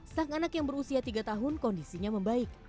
sang anak yang berusia tiga tahun kondisinya membaik